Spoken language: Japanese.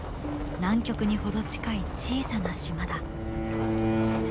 南極に程近い小さな島だ。